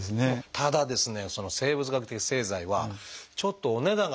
ただですね